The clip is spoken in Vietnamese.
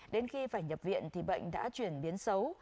đến khi phải nhập viện thì bệnh đã chuyển biến xấu